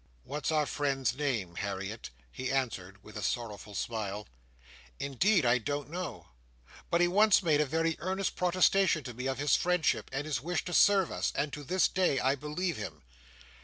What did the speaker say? "What's our friend's name, Harriet?" he answered with a sorrowful smile. "Indeed, I don't know, but he once made a very earnest protestation to me of his friendship and his wish to serve us: and to this day I believe him."